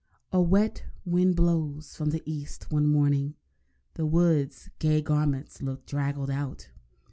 A wet wind blows from the East one morning, The wood's gay garments looked draggled out.